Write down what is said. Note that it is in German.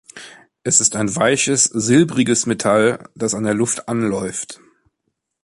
Es ist ein weiches, silbriges Metall, das an der Luft anläuft.